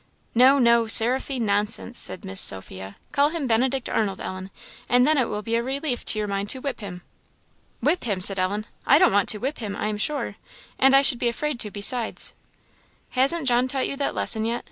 "No, no 'Seraphine!' nonsense!" said Miss Sophia; "call him Benedict Arnold, Ellen; and then it will be a relief to your mind to whip him." "Whip him!" said Ellen; "I don't want to whip him, I am sure; and I should be afraid too, besides." "Hasn't John taught you that lesson, yet?"